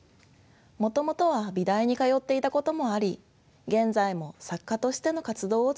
もともとは美大に通っていたこともあり現在も作家としての活動を続けています。